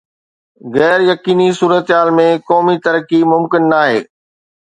غير يقيني صورتحال ۾ قومي ترقي ممڪن ناهي.